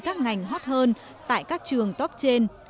các ngành hot hơn tại các trường top trên